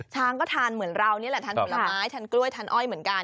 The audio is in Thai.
ช้างก็ทานเหมือนเรานี่แหละทานผลไม้ทานกล้วยทานอ้อยเหมือนกัน